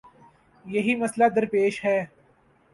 یہی مسئلہ درپیش ہے۔